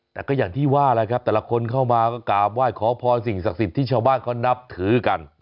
แต่ก็อย่างที่ว่าแหละครับแต่ละคนเข้ามาก็กราบไหว้ขอพรสิ่งศักดิ์สิทธิ์ที่ชาวบ้านเขานับถือกัน